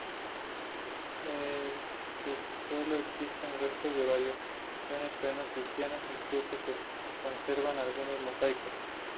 En el subsuelo existen restos de varias iglesias paleo-cristiana, incluso se conservan algunos mosaicos.